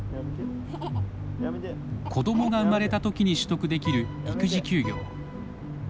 子どもが生まれたときに取得できる育児休業。